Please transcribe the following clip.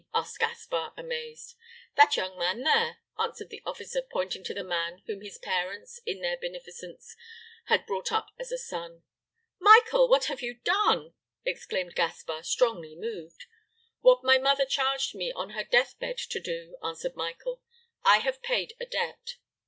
asked Gaspar, amazed. "That young man, there," answered the officer, pointing to the man whom his parents, in their beneficence, had brought up as a son. "Michael, what have you done?" exclaimed Gaspar, strongly moved. "What my mother charged me on her death bed to do," answered Michael; "I have paid a debt.'